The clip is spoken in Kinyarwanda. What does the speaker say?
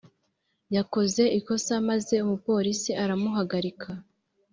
yakoze ikosa maze umuporisi aramuhagarika